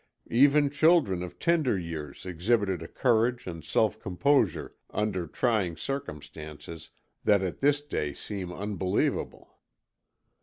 Even children of tender years exhibited a courage and self composure under trying circumstances that at this day seem unbelievable.